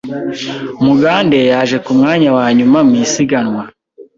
Mugande yaje ku mwanya wa nyuma mu isiganwa.